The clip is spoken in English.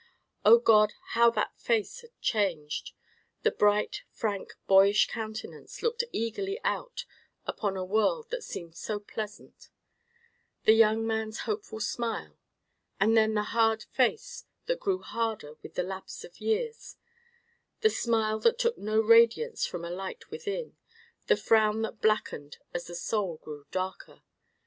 O God, how that face had changed! The bright, frank, boyish countenance, looking eagerly out upon a world that seemed so pleasant; the young man's hopeful smile; and then—and then, the hard face that grew harder with the lapse of years; the smile that took no radiance from a light within; the frown that blackened as the soul grew darker.